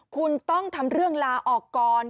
คุณต้องทำเรื่องลาออกก่อน